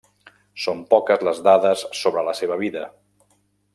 Són poques les dades sobre la seva vida.